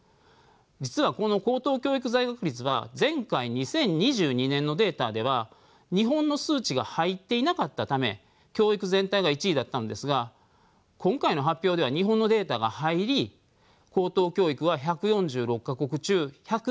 実はこの高等教育在学率は前回２０２２年のデータでは日本の数値が入っていなかったため教育全体が１位だったのですが今回の発表では日本のデータが入り高等教育は１４６か国中１０５位になっています。